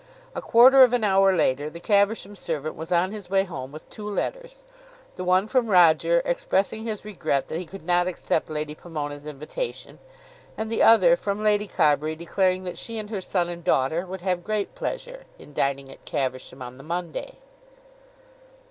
A quarter of an hour later the Caversham servant was on his way home with two letters, the one from Roger expressing his regret that he could not accept Lady Pomona's invitation, and the other from Lady Carbury declaring that she and her son and daughter would have great pleasure in dining at Caversham on the Monday.